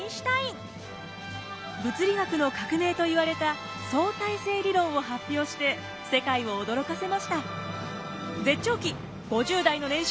物理学の革命といわれた相対性理論を発表して世界を驚かせました。